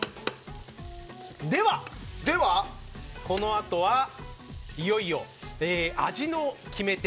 では、このあとはいよいよ味の決め手